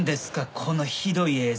このひどい映像。